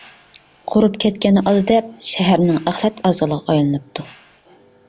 قۇرۇپ كەتكەننى ئاز دەپ، شەھەرنىڭ ئەخلەت ئازگىلىغا ئايلىنىپتۇ!